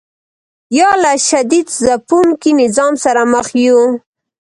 یا له شدید ځپونکي نظام سره مخ یو.